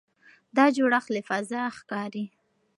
دا جوړښت له فضا ښکاري.